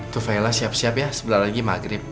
tufaila siap siap ya sebelah lagi maghrib